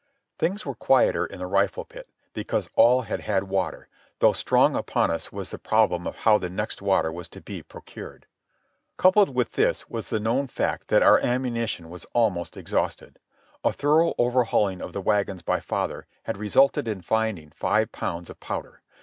Things were quieter in the rifle pit, because all had had water, though strong upon us was the problem of how the next water was to be procured. Coupled with this was the known fact that our ammunition was almost exhausted. A thorough overhauling of the wagons by father had resulted in finding five pounds of powder.